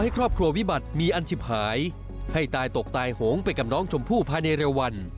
ครอบครัววิบัติมีอันชิบหายให้ตายตกตายโหงไปกับน้องชมพู่ภายในเร็ววัน